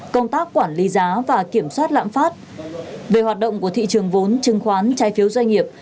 công tác quản lý giá và kiểm soát lãm phát về hoạt động của thị trường vốn chứng khoán trái phiếu doanh nghiệp